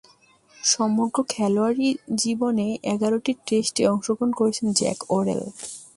সমগ্র খেলোয়াড়ী জীবনে এগারোটি টেস্টে অংশগ্রহণ করেছেন জ্যাক ওরেল।